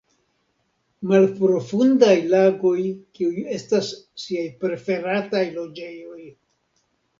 Malprofundaj lagoj kiuj estas siaj preferataj loĝejoj.